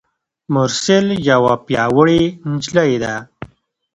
مرسل یوه پیاوړي نجلۍ ده.